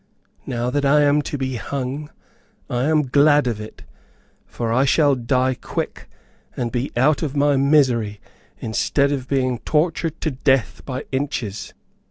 Now that I am to be hung, I am glad of it, for I shall die quick, and be out of my misery, instead of being tortured to death by inches.